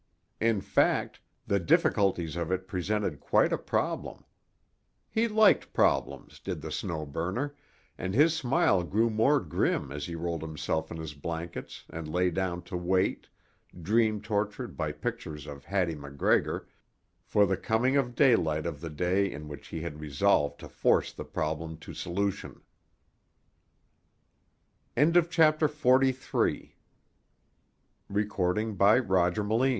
In fact, the difficulties of it presented quite a problem. He liked problems, did the Snow Burner, and his smile grew more grim as he rolled himself in his blankets and lay down to wait, dream tortured by pictures of Hattie MacGregor, for the coming of daylight of the day in which he had resolved to force the problem to solution. CHAPTER XLIV—THE MADNESS OF "HELL CAMP" REIVERS The day opened as the day before had opened.